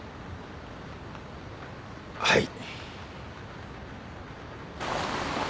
はい。